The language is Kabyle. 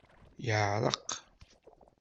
Yeɛreq.